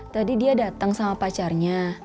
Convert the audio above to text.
tadi dia datang sama pacarnya